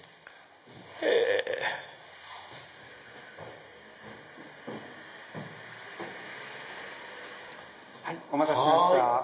へぇ！お待たせしました。